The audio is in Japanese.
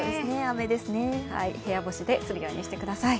部屋干しするようにしてください。